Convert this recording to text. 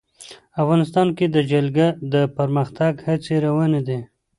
افغانستان کې د جلګه د پرمختګ هڅې روانې دي.